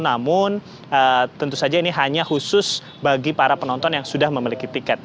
namun tentu saja ini hanya khusus bagi para penonton yang sudah memiliki tiket